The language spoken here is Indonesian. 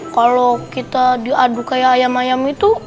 kalau kita diaduk kayak ayam ayam itu